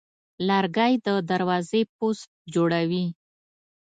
لرګی د دروازې پوست جوړوي.